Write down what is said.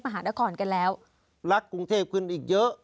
หานครกันแล้วรักกรุงเทพขึ้นอีกเยอะ